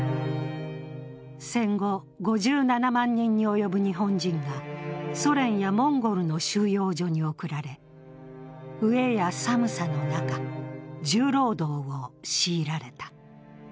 戦後、５７万人に及ぶ日本人がソ連やモンゴルの収容所に送られ、飢えや寒さの中、重労働を強いられた。